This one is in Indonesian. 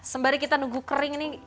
sembari kita nunggu kering nih